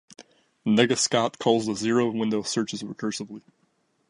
NegaScout calls the zero-window searches recursively.